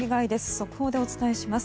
速報でお伝えします。